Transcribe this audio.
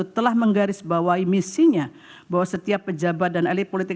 telah menggarisbawahi misinya bahwa setiap pejabat dan elit politik